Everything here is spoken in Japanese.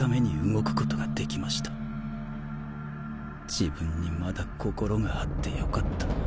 自分にまだ心があってよかった。